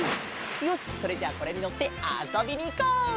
よしそれじゃあこれにのってあそびにいこう！